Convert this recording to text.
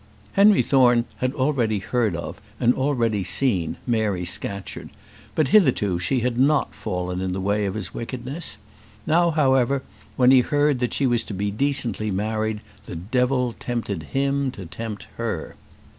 Henry Thorne had already heard of, and already seen, Mary Scatcherd; but hitherto she had not fallen in the way of his wickedness. Now, however, when he heard that she was to be decently married, the devil tempted him to tempt her.